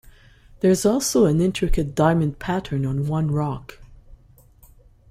There also is an intricate diamond pattern on one rock.